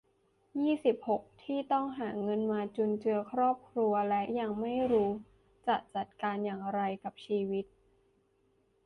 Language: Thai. ยี่สิบหก ที่ต้องหาเงินมาจุนเจือครอบครัวและยังไม่รู้จะจัดการอย่างไรกับชีวิต